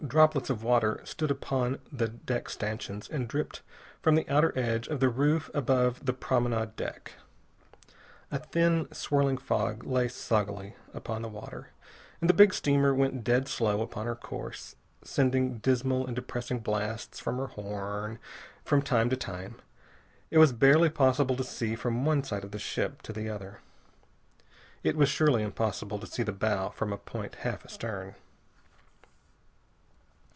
Droplets of water stood upon the deck stanchions, and dripped from the outer edge of the roof above the promenade deck. A thin, swirling fog lay soggily upon the water and the big steamer went dead slow upon her course, sending dismal and depressing blasts from her horn from time to time. It was barely possible to see from one side of the ship to the other. It was surely impossible to see the bow from a point half astern.